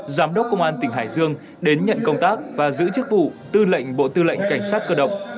giám đốc công an tỉnh hải dương đến nhận công tác và giữ chức vụ tư lệnh bộ tư lệnh cảnh sát cơ động